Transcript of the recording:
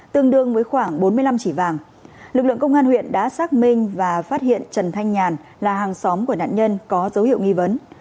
tương đương với khoảng bốn mươi năm chỉ vàng lực lượng công an huyện đã xác minh và phát hiện trần thanh nhàn là hàng xóm của nạn nhân có dấu hiệu nghi vấn